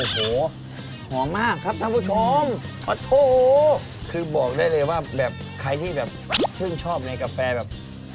โอ้โหหอมมากครับท่านผู้ชมมาโถคือบอกได้เลยว่าแบบใครที่แบบชื่นชอบในกาแฟแบบ